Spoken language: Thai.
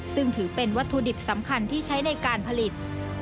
ซึ่งถือเป็นวัตถุดิบสำคัญที่ใช้ในการผลิต